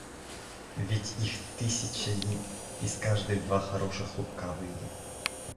Ведь их тысяча лип, из каждой два хороших лубка выйдет.